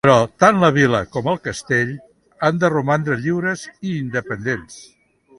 Però tant la vila com el castell han de romandre lliures i independents.